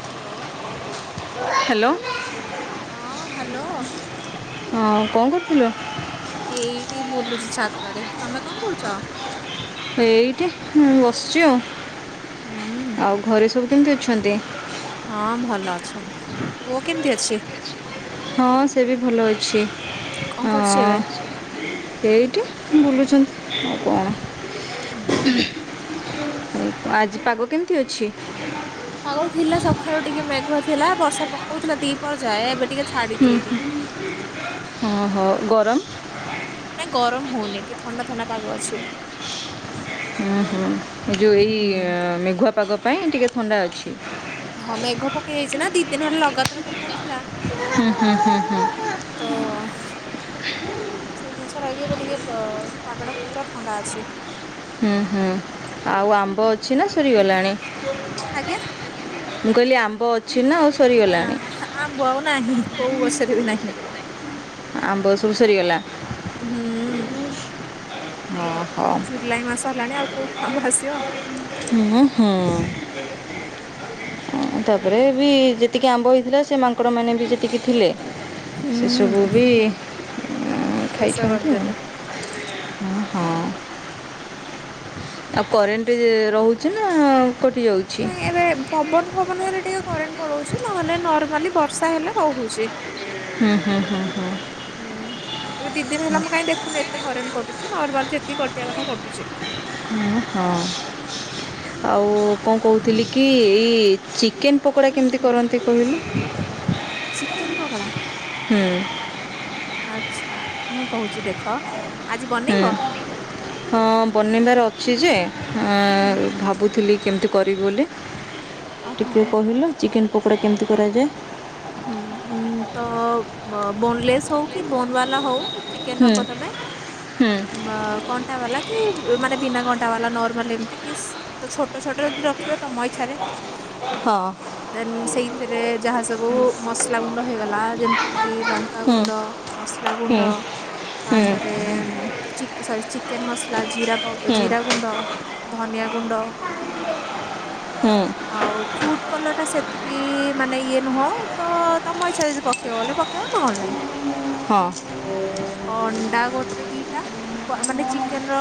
ହ୍ୟାଲୋ-ଓ। Hello! ହଁ, hello. ହଁ କଣ କରୁଥିଲ? ଏଇଠି ବୁଲୁଚି ଛାତରେ। ତମେ କଁ କରୁଛ? ଏଇଠି, ବସିଛି ଆଉ। ହୁଁ-ଉଁ। ଆଉ, ଘରେ ସବୁ କେମିତି ଅଛନ୍ତି? ହଁ, ଭଲ ଅଛନ୍ତି। ପୁଅ କେମିତି ଅଛି? ହଁ, ସେବି ଭଲ ଅଛି। କଣ କରୁଛି ହଁ ଏବେ? ଏଇ କେ ବୁଲୁଛନ୍ତି? ଆଉ କଣ? ଅ-ଆଜି ପାଗ କେମିତି ଅଛି? ପାଗ ଥିଲା ସକାଳୁ ଟିକେ ମେଘୁଆ ଥିଲା। ବର୍ଷା ପକଉଥିଲା ଦିପଅର ଯାଏ। ଏବେ ଟିକେ ଛାଡିଛି ହୁଁ, ଏଇଠି। ହୁଁ, ହ ହୋ, ଗରମ! ନାଇଁ, ଗରମ ହଉନି। ଟିକେ ଥଣ୍ଡା ଥଣ୍ଡା ପାଗ ଅଛି। ହୁଁ, ହୁଁ, ଏ ଯଉ, ହୁଁ ଏଇ ମେଘୁଆ ପାଗ ପାଇଁ ଟିକେ ଥଣ୍ଡା ଅଛି। ହଁ, ମେଘ ପକେଇ ଯାଇଛିନା, ଦି ଦିନ ହେଲା ଲଗାତାର ପକଉଥିଲା। ହୁଁ ହୁଁ ହୁଁ ହୁଁ। ତ-ଅ ସେଇ ଜିନିଷରା ହେଇକି ଏବେ ଟିକେ, ପ-ଅ-ପାଗ ଟା ପୁରା ଥଣ୍ଡା ଅଛି। ହୁଁ, ହୁଁ, ଆଉ, ଆମ୍ବ ଅଛି ନା ସରିଗଲାଣି? ଆଜ୍ଞା, ମୁଁ କହିଲି ଆମ୍ବ ଅଛି ନା, ଆଉ ସ ନାଁ, ଆମ୍ବ ଆଉ ନାହିଁ। କୋଉ ଗଛରେ ବି ନାହିଁ? ଆମ୍ବ ସବୁ ସରିଗଲା। ହୁଁ। ହଁ ହଁ ଜୁଲାଇ ମାସ ହେଲାଣି। ଆଉ, କୋଉଠୁ ଆମ୍ବ ଆସିବ? ହୁଁ, ହୁଁ। ଅଁ, ତା'ପରେ ବି ଯେତିକି ଆମ୍ବ ହେଇଥିଲା, ସେ ମାଙ୍କଡ ମାନେ ବି ଯେତିକି ଥିଲେ ସେସବୁ ହୁଁ ବି ଅ ଶେଷ ଖାଇଛନ୍ତି ଆଉ। କରିଦେଲେ। ହ ହଁ। ଆଉ, କରେଣ୍ଟେ ରହୁଛି ନା କଟି ଯାଉଛି? ନାଇଁ ପବନ ଫବନ ହେଲେ ଟିକେ କରେଣ୍ଟ ପଳଉଛି। ନହେଲେ, ନର୍ମାଲି ବର୍ଷା ହେଲେ ରହୁଛି। ହୁଁ ହୁଁ ହୁଁ, ଏବେ ଦି ଦିନ ହେଲା, ମୁଁ କାଇଁ ଦେଖ୍ ଖୁନି ଏତେ କରେଣ୍ଟ କଟୁଛି। ନର୍ମାଲ ଯେତିକି କଟିବା କଥା କଟୁଛି। ଉଁ, ହଁ, ଆଉ କଣ କହୁଥିଲି କି ଏଇ ଚିକେନ୍ ପକୋଡ଼ା କେମିତି କରନ୍ତି କହିଲୁ? ଚିକେନ୍ ପକୋଡା! ହୁଁ। ଆଚ୍ଛା, ମୁଁ କହୁଛି ଦେଖ। ଆଜି ହୁଁ ବନେଇବ? ହଁ, ବନେଇବାର ଅଛି ଯେ, ହୁଁ। ଅଁ ଭାବୁଥିଲି କେମିତି କରିବି ବୋଲି? ଓହୋ ଟିକଏ ହୋ କହିଲ ଚିକେନ୍ ପକୋଡ଼ା କେମିତି କରାଯାଏ? ହୁଁ, ଉଁ ତ ବୋନଲେସ୍ ହଉ କି ବୋନ୍ ବାଲା ହଉ। ଚିକ୍ କେ ହୁଁ ନବ ତମେ? ହୁଁ। ମା କଣ୍ଟା ବାଲା କି ମାନେ ବିନା କଣ୍ଟା ବାଲା ନର୍ମାଲ ଏମିତି ପିସ୍ ତ ଛୋଟ ଛୋଟ ଯଦି ରଖିବ ତମ‌ ଇଛାରେ ହଁ ଦେନ୍ ସେଇଥିରେ ଯାହା ସ୍ ଓ ମସଲା ଗୁଣ୍ଡ ହେଇଗଲା ଯେମିତି କି ଲଙ୍କା ହୁଁ ଗୁଣ୍ଡ ମସଲା ଗୁଣ୍ଡ। ହୁଁ ହୁଁ ତାପରେ ମ୍ ଚିକ୍ ସରି ଚିକେନ୍ ମସ୍ଲା ଜିରା ପ ହୁଁ ଜିରା ଗୁଣ୍ଡ। ଧନିଆ ଗୁଣ୍ଡ ହୁଁ ଆଉ ଫୁଟ୍ କଲର୍ ଟା ସେତିକି ମାନେ ଇଏ ନୁହଁ ତ ତମ ଇଚ୍ଛା ଯଦି ପକେଇବ ବୋଲେ ପକେଇବ ନହଲେ ନାଇଁ। ହଁ। ଅଣ୍ଡା ଗୋଟେ ଦିଟା ଅ ପ ମାନେ ଚିକେନ୍ ର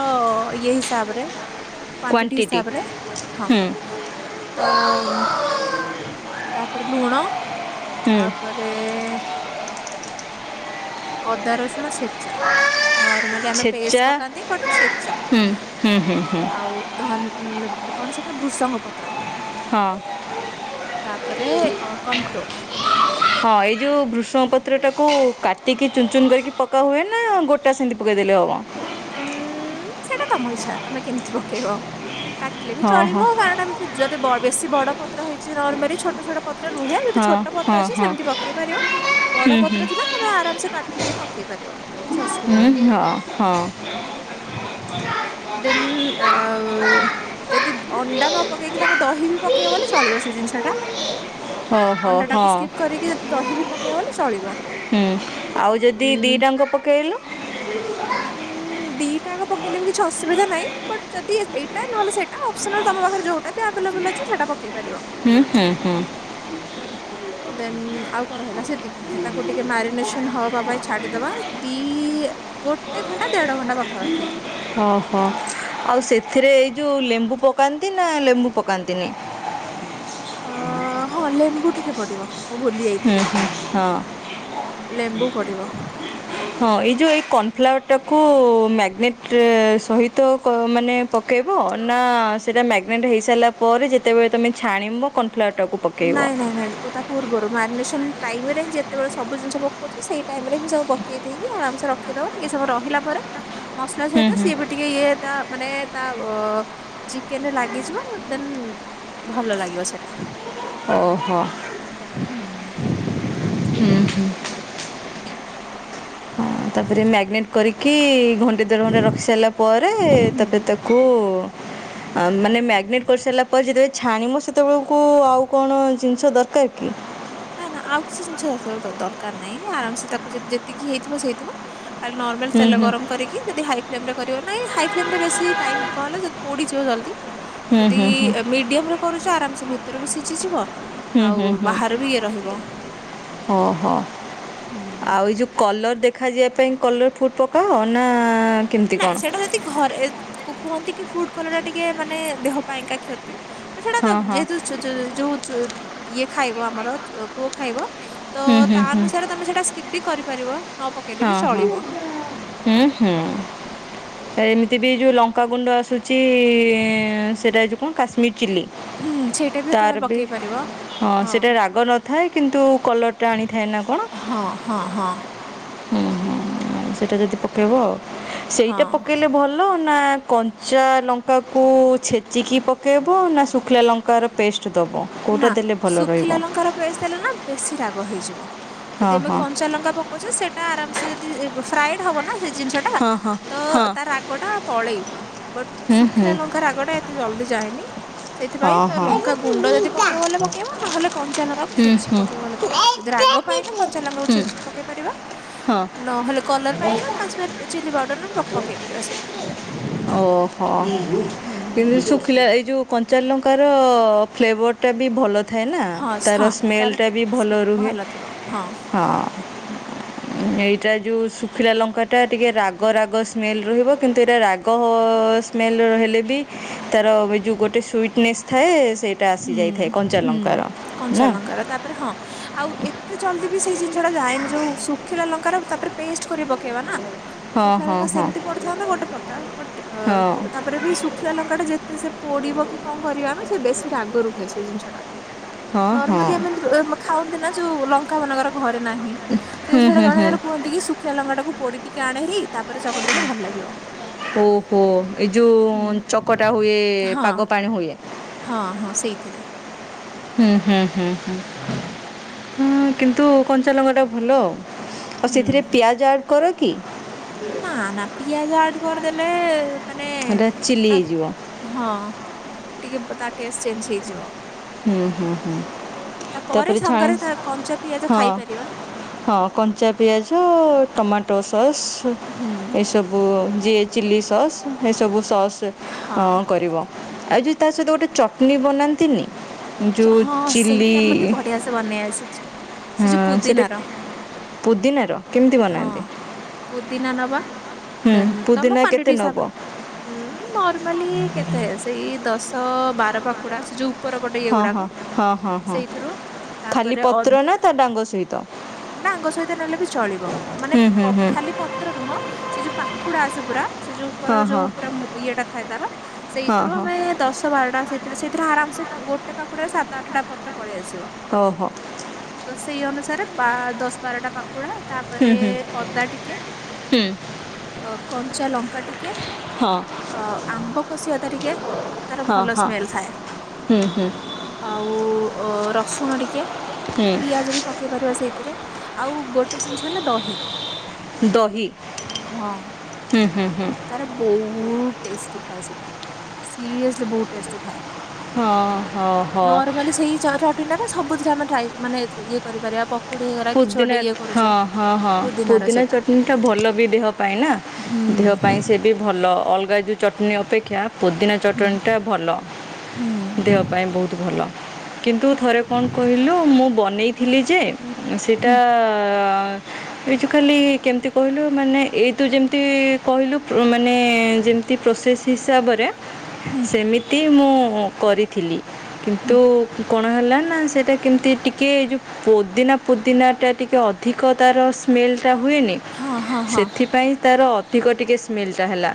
ଇଏ ହିସାବ ରେ। କ୍ଵାଣ୍ଟିଟି ହିସାବରେ ହଁ ହୁଁ ତ ତାପରେ ଲୁଣ, ହୁଁ ତାପରେ ଅଦା, ରସୁଣ ଛେଚା। ନର୍ମାଲି ଆମେ ପେଷ୍ଟ ଛେଚା ପକାନ୍ତି ବଟ୍ ଛେଚା, ହୁଁ ହୁଁ ହୁଁ ହୁଁ ଆଉ ଧନ୍ ଉଁ କଣ ସେଟା ବୃଷଙ୍ଗ ପତ୍ର। ହଁ ତାପରେ କର୍ଣଫ୍ଲୋର ଏଇ ଯୋଉ ବୃଷ୍ ଷଂ ପତ୍ରଟାକୁ କାଟିକି ଚୁନଚୁନ କରିକି ପକାହୁଏ ନା ଗୋଟା ସେମିତି ପକେଇଦେଲେ ହେବ? ଉୁଁ ସେଇଟା ତମ ଇଛା ତମେ କେମିତି ପକେଇବ, କାଟିଲେ ବି ହଁ ଚଳିବ ହଁ [unintelligible] ଚି ଯଦି ବ ବେଶୀ ବଡ଼ ପତ୍ର ହେଇଛି ରର୍ମାରି ଛୋଟ ଛୋଟ ପତ୍ର ରୁହେ ଯଦି ହଁ ଛୋଟ ପତ୍ର ହଁ ଅଛି ହଁ ସେମିତି ପକେଇ ପାରିବ। ହୁଁ ବଡ଼ ହୁଁ ପତ୍ର ଥିଲେ ତମେ ଆରାମସେ କାଟିକି ପକେଇ ପାରିବ କିଛି ଅସୁବି ଉଁ ହଁ ହଁ। ଦେନ୍ ଆଉ ଯଦି ଅଣ୍ଡା ନ ପକେଇକି ତମେ ଦହି ବି ପକେଇବ ବୋଲେ ଚଳିବ ସେ ଜିନିଷ ଟା। ଓହୋ ଅଣ୍ଡା ହଁ ଟାକୁ ସ୍କିପ୍ କରିକି ଯଦି ଦହି ବି ପକେଇବ ବୋଲେ ଚଳିବ। ହୁଁ ଆଉ ଯଦି ଦି ଉଁ ଟା ଆଙ୍କ ପକେଇଲ? ହୁଁ ଦିଟା ଆକ ପକେଇଲେ ବି କିଛି ଅସୁବିଧା ନାଇଁ ବଟ୍ ଜଦି ଏଇଟା ନହେଲେ ସେଟା ଅପ୍ସନାଲ୍ ତମ ପାଖରେ ଯୋଉ ଏବେ ଆଭେଲେବୁଲ ଅଛି ସେଟା ପକେଇ ପାରିବ। ହୁଁ ହୁଁ ହୁଁ। ହୁଁ। ଦେନ୍ ଆଉ କଣ ରହିଲା ସେତିକି ହେ ତାକୁ ଟିକେ ମ୍ୟାରିନେସନ ହବା ପାଇଁ ଛାଡି଼ଦବା ଦି ଗୋଟେ ଘଣ୍ଟା ଦେଢ଼ ଘଣ୍ଟା ପାଖାପାଖି। ଓହୋ ଆଉ ସେଥିରେ ଏଇ ଯୋଉ ଲେମ୍ବୁ ପକାନ୍ତି ନା ଲେମ୍ବୁ ପକାନ୍ତିନି? ଆ ହଁ ଲେମ୍ବୁ ଟିକେ ପଡ଼ିବ। ମୁଁ ଭୁଲି ହୁଁ ଯାଇଥିଲି ହୁଁ ହଁ ଲେମ୍ବୁ ପଡ଼ିବ। ହଁ ଏଇ ଯୋଉ ଏଇ କନ୍ ଫ୍ଲାୱାରଟାକୁ ମ୍ୟାଗ୍ନେଟ୍ ସହିତ କ ମାନେ ପକେଇବ ନା ସେଇଟା ମ୍ୟାଗନେଟ୍ ହେଇସାରିଲା ପରେ ଯେତେବେଳେ ତମେ ଛାଣିବ କନ୍ ଫ୍ଲାୱାରଟାକୁ ନାଇଁ ନାଇଁ ନାଇଁ ବ ଉ ତା ପୂର୍ବରୁ ମାରିନେସନ ଟାଇମ୍ ହିଁ ଯେତେବେଳେ ସବୁ ଜିନିଷ ପକଉଛ ସେଇ ଟାଇମ୍ ରେ ହିଁ ସବୁ ପ କେଇ ଦେଇକି ଆରାମ ସେ ରଖିଦବ ଟିକେ ସମୟ ରହିଲା ପରେ ମସଲା ହୁଁ ସହିତ ହୁଁ। ସିଏ ବି ଟିକେ ଇଏ ତା ମାନେ ତା ବ ଚିକେନେ ଲାଗିଯିବ ଦେନ୍ ଭଲ ଲାଗିବ ସେଟା। ଓହୋ। ହୁଁ। ହୁଁ ହୁଁ। ହୁଁ ତାପରେ ମ୍ୟାଗନେଟ୍ କରିକି ଘଣ୍ଟେ ଦେଢ଼ ଘଣ୍ଟା ରଖି ସାରିଲା ପରେ ହୁଁ। ତାପରେ ତା କୁ ମାନେ ମ୍ୟାଗ୍ନେଟ କରି ସାରିଲା ପରେ ଯେତେବେଳେ ଛାଣିବ ସେତେବେଳକୁ ଆଉ କଣ ଜିନିଷ ଦରକାର କି? ନା ନା ଆଉ କିଛି ଜିନିଷ ସ ଦରକାର ନାହିଁ ଆରାମସେ ତାକୁ ଯେତିକି ହେଇଥିବ ସେ ହେଇଥିବ ଖାଲି ନର୍ମାଲ ହୁଁ ତେଲ ହୁଁ ଗରମ କରିକି ଯଦି ହାଇ ଫ୍ଲେମ କରିବ ନାଇ ହାଇ ଫ୍ଲେମମ ବେଶି ଟାଇମ କଣ ହେଲା ଯଦି ପୋଡିଯିବ ଜଲଦି ହୁଁ ଯଦି ହୁଁ ହୁଁ ମିଡିୟମ ରେ କରୁଚ ଆରାମସେ ଭିତରେ ବି ସିଝିଯିବ ଆଉ ବାହାରେ ବି ରହିବ ଓ ହୋ ହୁଁ। ଆଉ। ଏଇ ଯୋଉ କଲର ଦେଖାଯିବା ପାଇଁ କଲର ଫୁଟ ପକାଅ ନା କେମିତି ନାଇଁ କ'ଣ ସେଟା ଯଦି ଘରେ କୁ-କୁହନ୍ତି କି ଫୁଡ କଲର ଟା ଟିକେ ମାନେ ଦେହ ପାଇଁକା କ୍ଷତି ସେଟା ହଁ ତ ହଁ ଯେହେତୁ ଚୁ ଚୁ ଯୋଉ ଚୁ ଯୋଉ ଇଏ ଖାଇବ ଆମର ପୁଅ ଖାଇବ ତ ହୁଁ ହୁଁ ତା ହୁଁ ଅନୁସାରେ ତମେ ସେଟା ସ୍କିପ ବି କରିପାରିବ ନ ପକେଇଲେ ହଁ ବି ହଁ ଚଳିବ। ହୁଁ ହୁଁ ଏମି ତି ବି ଯେଉଁ ଲଙ୍କାଗୁଣ୍ଡ ଆସୁଚି ସେଇଟା ଏଇ ଯୋଉ କଣ କାଶ୍ମୀର ଚିଲ୍ଲି। ହୁଁ ସେଇଟା ତମେ ତାର ବି ପକେଇ ପାରିବ ହଁ ସେଟା ରାଗ ନ ଥାଏ କିନ୍ତୁ କଲର ଟା ଆଣିଥାଏ ନା କଣ। ହଁ ହଁ ହଁ। ହୁଁ ହୁଁ ସେଇଟା ଯଦି ପକେଇବ ଆଉ ସେଇଟା ହଁ। ପକେଇଲେ ଭଲ ନା କଞ୍ଚା ଲଙ୍କାକୁ ଛେଚିକି ପକେଇବ ନା ଶୁଖିଲା ଲଙ୍କାର ପେଷ୍ଟ ଦେବ। ନା କୋଉଟା ଦେଲେ ଭଲ ଶୁଖିଲା ରହିବ। [unintelligible] ଦେଲେ ନା ବେଶି ରାଗ ହେଇଯିବ ହଁ ଯଦି ଆମେ ହଁ କଞ୍ଚା ଲଙ୍କା ପକୋଉଚେ ସେଟା ଆରାମ ସେ ଯଦି ଫ୍ରାଇଡ ହବ ନା ସେ ଜିନିଷ ଟା ହଁ ହଁ ତ ହଁ। ତା ରାଗ ଟା ପଳେଇବ ବଟ ହୁଁ ହୁଁ ଶୁଖିଲା ଲ ଙ୍କା ରାଗଟା ଏତେ ଜଲଦି ଯାଏନି ସେଥିପାଇଁ ହଁ ତ ହଁ ଲଙ୍କା ହୁଁ ଗୁଣ୍ଡ ହୁଁ। ଯଦି ପକେଇବ ବୋଲେ ପକେଇବ ନହେଲେ କଞ୍ଚା ଲଙ୍କାକୁ ଛେଚିକି ପକେଇବ ହେଲେ ପକେଇବ ଯଦି ରାଗ ପାଇଁକା କଞ୍ଚା ଲାଙ୍କାକୁ ହୁଁ ଛେଚି ପକେଇ ପାରିବା ହଁ। ନହେଲେ କଲର ପାଇଁକା କାଶ୍ମୀର ଚିଲ୍ଲି ପାଉଡର ପକେଇ ପାରିବା ସେଇଥିରେ ହୁଁ। ଥିଲା ଏଇ ଯୋଉ କଞ୍ଚାଲଙ୍କାର ଫ୍ଲେଭରଟା ବି ଭଲ। ଥାଏ ନା ହଁ ତାର ହଁ ସ୍ମେଲଟା ବି ଭଲ ରୁହେ ହଁ। ଏଇଟା ଯୋଉ ଶୁଖିଲା ଲଙ୍କାଟା ଟିକେ ରାଗ। ରାଗ ରାଗ ସ୍ମେଲ ରହିବ କିନ୍ତୁ ଏଇଟା ରାଗ ସ୍ମେଲରେ ରହିଲେ ବି ତାର ଏଇ ଯୋଉ ଗୋଟେ ସୁଇଟି ନେସ ଥାଏ ସେଇ ହୁଁ ହୁଁ ନା। କଞ୍ଚାଲଙ୍କାର ତାପରେ ହଁ। ଆଉ ଏତେ ଜଲଦି ବି ସେଇ ଜିନିଷ ଟା ଯାଏନି ଯୋଉ ଶୁଖିଲା ଲଙ୍କାର ତାପରେ ପେଷ୍ଟ କରି ପକେଇବା ନା। ହଁ ଶୁଖଲା ହଁ ରଙ୍ଗା ହଁ ସେମିତି ପଡିଥାନ୍ତା ଗୋଟେ ପ୍ରକାର ବଟ ହଁ। ଅ ତା ପରେ ବି ଶୁଖିଲା ଲଙ୍କାଟା ଯେତେ ସେ ପୋଡିବ କି କଣ କରିବା ସେ ବେଶୀ ରାଗ ରୁହେ ସେ ଜିନିଷ ଟା। ହଁ ହଁ ନର୍ମାଲି ଆମେ ଖାଉନ୍ତି ନା ଯୋଉ ଲଙ୍କା ମାନଙ୍କର ଘରେ ନାହିଁ। ସେ ସେଇଟା ଜଣେ ଜଣେ କୁହନ୍ତି କି ଶୁଖିଲା ଲଙ୍କାଟାକୁ ପୋଡି ଟିକେ ଆଣେହାରି ତାପରେ ଚକଟି ଦେଲେ ଭଲ ଲାଗିବ। ଓହୋ ଏଇ ଯୋଉ ହୁଁ ଚକଟା ହୁଏ ହଁ ପାଗ ପାଣି ହୁଏ। ହଁ ହଁ ସେଇଥିରେ। ହୁଁ ହୁଁ ହୁଁ ହୁ ହୁଁ କିନ୍ତୁ କଞ୍ଚାଲଙ୍କା ଟା ଭଲ। ଆଉ ସେଥିରେ ହୁଁ ପିଆଜ ଆଡ କର କି? ନାଁ ନାଁ ପିଆଜ ଆଡ କରିଦେଲେ। ମାନେ ହେଟା ଚିଲ୍ଲି ତା ହେଇଯିବ। ହଁ ଟିକେ ତା ଟେଷ୍ଟ ଚେଞ୍ଜ ହେଇଯିବ। ହୁଁ ହୁଁ ହୁଁ ତାପରେ ସାଙ୍ଗରେ ତା କଞ୍ଚା ପିଆଜ ହଁ ଖାଇପାରିବା। ହଁ କଞ୍ଚା ପିଆଜ ଟମାଟୋ ସସ୍। ହୁଁ। ସବୁ ଯିଏ ଚିଲ୍ଲି ସସ୍ ଏସବୁ ସସ୍ ହଁ ଅଁ କରିବ। ଆଉ ଯୋଉ ତା ସହିତ ଗୋଟେ ଚଟଣୀ ବନାନ୍ତିନି। ଯୋଉ ହଁ ଚିଲ୍ଲି ସେଇଟା ମତେ ବଢିଆ ସେ ବନେଇ ଆସିଛି ସେ ହଁ ଯୋଉ ସେଟା ପୁଦିନାର ପୁଦିନା ର କେମିତି ହଁ ବନାନ୍ତି? ପୁଦିନା ନବା ହୁଁ ଦେନ ତମ ପୁଦିନା କ୍ଵାଣ୍ଟିଟ କେତେ ନେବ ହିସାବରେ। ଉଁ ନର୍ମାଲି କେତେ ସେଇ ଦଶ ବାର ପାଖୁଡା ସେ ଯୋଉ ଉପର ପ ଟେ ଇଏ ହଁ ହଁ ଗୁଡାକ ହଁ ହଁ ହଁ ସେଇଥିରୁ ତାପରେ ଅ ସେଇତ। ଡାଙ୍ଗ ସହିତ ନେଲେ ବି ଚଳିବ ମାନେ ହୁଁ ପ ହୁଁ ଖାଲି ପ ତ୍ର ନୁହଁ ସେ ଯୋଉ ପାଖୁଡା ଆସେ ପୁରା ସେ ଯୋଉ ଉପର ହଁ ହଁ ଯୋଉ ପୁରା ମୁଁ ଇଏଟା ଥାଏ ତାର ହଁ ସେଇଥିରୁ ହଁ ଆମେ ଦଶ ବାରଟା ସେଇଥିରେ ସେଇଥିରେ ଆରାମ ସେ ଗୋଟେ ପାଖୁଡରେ ସାତ ଆଠଟା ପତ୍ର ପଳେଇ ଆସିବ। ଓହୋ। ତ ସେଇ ଅନୁସାରେ ବା ଦଶ ବାରଟା ପାଖୁଡା ହୁଁ ତାପରେ ହୁଁ ଅଦା ଟିକେ ହୁଁ ଅ କଞ୍ଚା ଲଙ୍କା ଟିକେ ହଁ ଅ ଆମ୍ବ କଷି ଅଦା ଟିକେ ତାର ହଁ ଭଲ ହଁ ସ୍ମେଲ ଥାଏ। ହୁଁ ହୁଁ ଆଉ ଅ ରସୁଣ ଟିକେ ହୁଁ ପିଆଜ ବି ପକେଇ ପାରିବ ସେଇଥିରେ ଆଉ ଗୋଟେ ଜିନିଷ ହେଲା ଦହି। ଦହି ହଁ ହୁଁ ହୁଁ ହୁଁ। ତାର ବହୁ ଟେଷ୍ଟି ଥାଏ ସେଟା ସିରିଏସଲି ବହୁତ ଟେଷ୍ଟି ଥାଏ। ହଁ ହଁ ହଁ ନର୍ମାଲି ସେଇ [unintelligible] ସବୁ ଥିରେ ଆମେ ଟ୍ରାଏ ମାନେ ଇଏ କରିପାରିବା ପ ପୋଦିନା ହଁ ହଁ ହଁ ପୁଦିନାର ପୋଦିନା ସେଇଟା ଚଟଣି ଟା ଭଲ ବି ଦେହ ପାଇଁ ନା। ଦେହ ହୁଁ। ପାଇଁ ସେଟି ଭଲ ଅଲଗା ଜୁ ଚଟଣି ଅପେକ୍ଷା ପୋଦିନା ହୁଁ ଚଟଣିଟା ଭଲ ହୁଁ ଦେହ ପାଇଁ ବୋହୁତ ଭଲ। କିନ୍ତୁ ଥରେ କଣ କହିଲୁ ମୁଁ ବନେଇଥିଲି ଯେ ସେଇଟା ହୁଁ ଅ ଏଇ ଯୋଉ ଖାଲି କେମିତି କହିଲୁ ମାନେ ଏଇ ତୁ ଯେମିତି କହିଲୁ ପ୍ରୋ ମାନେ ଯେମିତି ପ୍ରୋସେସ୍ ହିସାବରେ ହୁଁ ସେମି କି ମୁଁ କରିଥିଲି ହୁଁ କିନ୍ତୁ କଣ ହେଲା ନା ସେଇଟା କେମିତି ଟିକେ ଏ ଯୋଉ ପୋଦିନା ପୋଦିନାଟା ଟିକେ ଅଧିକ ତାର ସ୍ମେଲଟା ହୁଏନି ହଁ ହଁ ହଁ ସେଥିପାଇଁ ତାର ଅଧିକ ଟିକେ ସ୍ମେଲଟା ହେଲା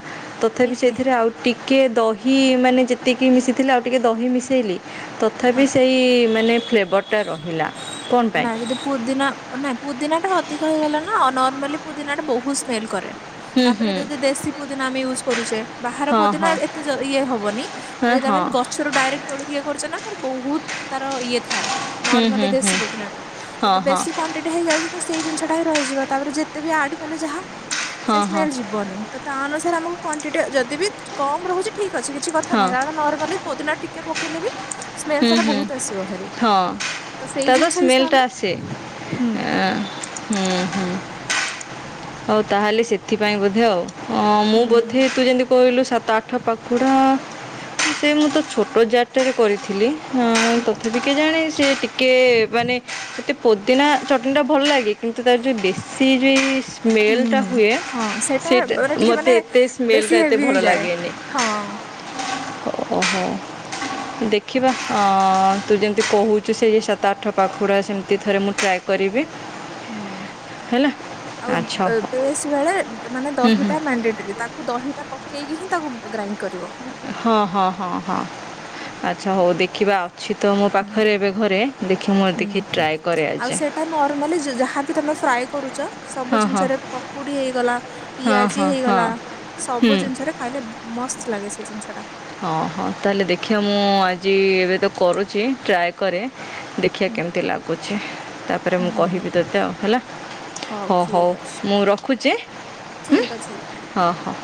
ଏ ତଥାପି ହେ ସେଇଥିରେ ଆଉ ଟିକେ ଦହି ମାନେ ଯେତିକି ମିଶିଥିଲେ ଆଉ ଟିକେ ଦହି ମିଶେଇଲି ତ ହଁ। ଥାପି ସେଇ ମାନେ ଫ୍ଲେବର୍ ଟା ରହିଲା। କ'ଣ ପାଇଁ ନା ଯଦି ପୁଦିନା ନାଁ ପୁଦିନା ଟା ଅଧିକ ହେଇଗଲା ନା ନର୍ମାଲି ପୁଦିନା ଟା ବୋହୁତ ସ୍ମେଲ କରେ। ହୁଁ ତାପରେ ହୁଁ ଯଦି ଦେଶୀ ପୁଦିନା ଆମେ ୟୁଜ୍ କରୁଚେ ବାହାର ହଁ ପୋଦିନା ହଁ ଏତେ ଜ ଇଏ ହବନି। ହଁ ହଁ [unintelligible] ଛ ରୁ ଡାଇରେକ୍ଟ ତୋଳିକି ଇଏ କରୁଚେ ନା ତାର ବହୁତ ତାର ଇଏ ଥାଏ ହୁଁ ହୁଁ ନର୍ମାଲି ହୁଁ ଦେଶୀ ପୋ ଦିନା ଟା ହଁ ଯଦି ହଁ ବେଶୀ କ୍ୱାଣ୍ଟିଟି ହେଇଯାଉଚି ତ ସେଇ ଜିନିଷଟା ହି ରହିଯିବ ତାପରେ ଯେତେ ବି ଆଡ କଲେ ଯାହା ହଁ ସେଇ ହଁ ସ୍ମେଲ ଯିବନି ତ ତା ଅନୁସାରେ ଆମକୁ କ୍ୱାଣ୍ଟିଟି ଯଦି ବି କମ ରହୁଚି ଠିକ୍ ଅଛି କିଛି କଥା ହଁ ନାହିଁ କାରଣ ନର୍ମାଲି ପୋଦିନା ଟିକେ ପକେଇଲେ ବି ସ୍ମେଲ ହୁଁ ତାର ହୁଁ ବହୁତ ଆସିବ ହେରି ହଁ ତ ସେଇ ଜିନିଷ ହିସାବରେ ହୁଁ। ଏ ହୁଁ ହୁଁ। ହଉ ତାହେଲେ ସେଥିପାଇଁ ବୋଧେ ଆଉ ହଁ ମୁଁ ହୁଁ। ବୋଧେ ତୁ ଯେମିତି କହିଲୁ ସାତ ଆଠ ପାଖୁଡ଼ା ସେଇ ମୁଁ ତ ଛୋଟ ଜାର ଟାରେ କରିଥିଲି। ହଁ ତଥାପି କେଜାଣି ସେ ଟିକେ ମାନେ ସେତେ ପୋଦିନା ଚଟଣିଟା ଭଲ ଲାଗେ କିନ୍ତୁ ତାର ଯଉ ବେଶୀ [unintelligible] ସ୍ମେଲ୍ ଟା ହୁଁ ହୁଏ ହଁ ସେଇଟା ମାନେ ଟିକେ ମୋତେ ମାନେ ଏତେ ସ୍ମେଲ୍ ବେଶୀ ଟା ଏତେ ହେଭି ଭଲ ହେଇଯାଏ ଲାଗେନି। ହଁ। ଓହୋ ଦେଖିବା ଅ ତୁ ଯେମି କହୁଚୁ ସେଇ ଯୋଉ ସା ତା ଆଠ ପାଖୁଡ଼ା ସେମିତି ଥରେ ମୁଁ ଟ୍ରାଏ କରିବି ହୁଁ। ହେଲା। ଆଉ ଆଚ୍ଛା ଏ [unintelligible] ହଉ ବେଳେ ମାନେ ହୁଁ ହୁଁ ଦହିଟା ମଣ୍ଡେ ଟୋରି ତା ତା ଦହିଟା ପକେଇକି ହିଁ ତାକୁ ଗ୍ରାଇଣ୍ଡ କରିବ। ହଁ ହଁ ହଁ ହଁ ଆଚ୍ଛା ହଉ ଦେଖିବା ଆଉ। ଛି ତ ମୋ ହୁଁ ପାଖରେ ଏବେ ଘରେ ଦେଖି ମୋର ହୁଁ। ଦେଖି ଟ୍ରାଏ କରେ ଆଉ ଆଜି। ସେଇଟା ନର୍ମାଲି ଯାହାବି ତମେ ଫ୍ରାଏ କରୁଚ ସବୁ ହଁ ହଁ ଜିନିଷରେ ପକୁଡି ହେଇଗଲା ହଁ ପିଆଜି ହଁ ହଁ ହେଇଗଲା ହୁଁ ସବୁ ଜିନିଷରେ ଖାଇଲେ ମସ୍ତ ଲାଗେ ସେଇ ଜିନିଷ ଟା। ହଁ ହଁ ତା ହେଲେ ଦେଖିବା ମୁଁ ଆଜି ଏବେ ତ କରୁଛି ଟ୍ରାଏ କରେ ଦେଖିବା ହୁଁ କେମିତି ଲାଗୁଛି ତାପରେ ମୁଁ ହୁଁ କହିବି ତତେ ଆଉ ହେଲା। ହଉ ହଉ ଠିକ ଅଛି। ମୁଁ ରଖୁଛି ଠିକ୍ ଅଛି ଦିଦି। ହଁ ହଉ।